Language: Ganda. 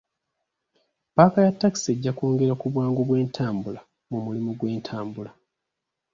Paaka ya takisi ejja kwongera ku bwangu bw'entambula mu mulimu gw'entambula.